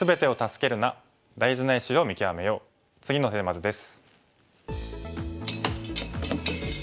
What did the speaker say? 次のテーマ図です。